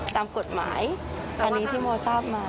ตามกฎหมายอันนี้ที่โมทราบมา